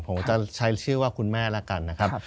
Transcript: ผมจะใช้ชื่อว่าคุณแม่แล้วกันนะครับ